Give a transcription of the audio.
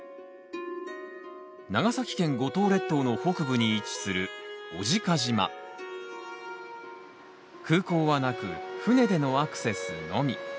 長崎県五島列島の北部に位置する空港はなく船でのアクセスのみ。